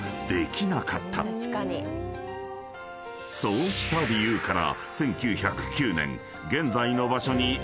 ［そうした理由から］